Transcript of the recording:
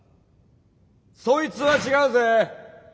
そいつは違うぜ！